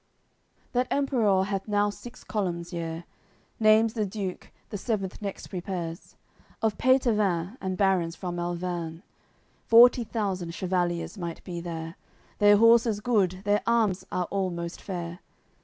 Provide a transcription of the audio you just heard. AOI. CCXXII That Emperour hath now six columns yare Naimes the Duke the seventh next prepares Of Peitevins and barons from Alverne; Forty thousand chevaliers might be there; Their horses good, their arms are all most fair.